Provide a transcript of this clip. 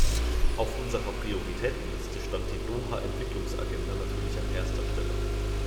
Auf unserer Prioritätenliste stand die Doha-Entwicklungsagenda natürlich an erster Stelle.